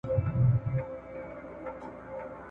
جګړه د سهار پر څو بجو پیل سوه؟